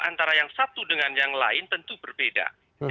antara yang satu dengan yang lain tentu berbeda